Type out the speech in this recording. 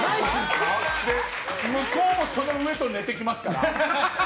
向こうもその上と寝てきますから。